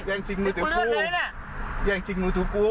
ย่างชิงมือถือกูย่างชิงมือถือกู